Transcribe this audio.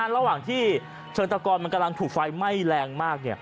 ระหว่างที่เชิงตะกรมันกำลังถูกไฟไหม้แรงมาก